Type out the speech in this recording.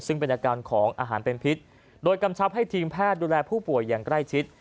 ซึ่งเป็นอาการของอาหารเป็นพิษโดยกำชับให้ทีมแพทย์ดูแลผู้ป่วยอย่างใกล้ชิด